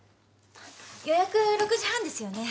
予約６時半ですよね？